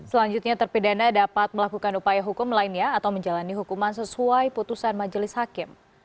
selanjutnya terpidana dapat melakukan upaya hukum lainnya atau menjalani hukuman sesuai putusan majelis hakim